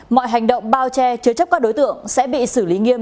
mọi hành động bao che chứa chấp các đối tượng sẽ bị xử lý nghiêm